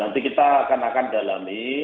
nanti kita akan dalami